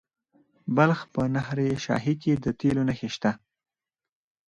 د بلخ په نهر شاهي کې د تیلو نښې شته.